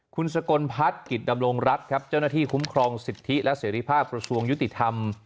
คุณสกลพัฒน์กิจดำรงรัฐครับเจ้าหน้าที่คุ้มครองสิทธิและเสรีภาพกระทรวงยุติธรรม